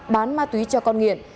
bán ma túy cho con nghiện